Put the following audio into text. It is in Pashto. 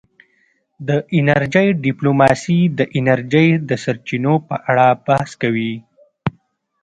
د انرژۍ ډیپلوماسي د انرژۍ د سرچینو په اړه بحث کوي